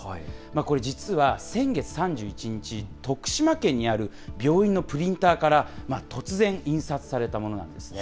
これ実は、先月３１日、徳島県にある病院のプリンターから、突然、印刷されたものなんですね。